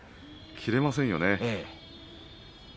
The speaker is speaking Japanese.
切れませんよね。